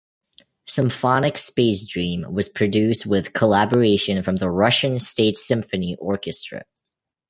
"Symphonic Space Dream" was produced with collaboration from the Russian State Symphony Orchestra.